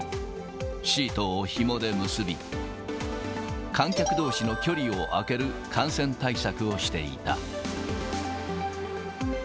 シートをひもで結び、観客どうしの距離を空ける感染対策をしていた。